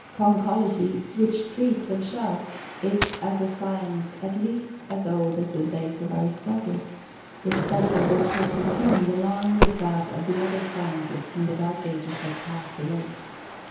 Conchology, which treats of shells, is as a science at least as old as the days of Aristotle, the study of which was resumed, along with that of the other sciences, when the dark ages had passed away.